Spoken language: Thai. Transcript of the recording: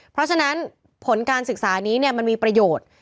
เพราะฉะนั้นผลการศึกษานี้มันมีประโยชน์